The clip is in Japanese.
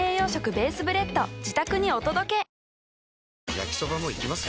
焼きソバもいきます？